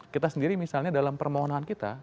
kita sendiri misalnya dalam permohonan kita